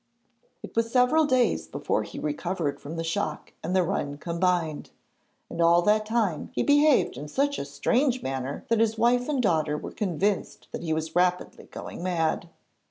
It was several days before he recovered from the shock and the run combined, and all that time he behaved in such a strange manner that his wife and daughter were convinced that he was rapidly going mad.